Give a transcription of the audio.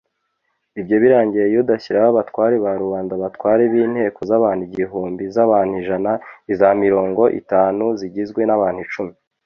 ibyo birangiye, yuda ashyiraho abatware ba rubanda, abatware b'inteko z'abantu igihumbi, iz'abantu ijana, iza mirongo itanu n'izigizwe n'abantu icumi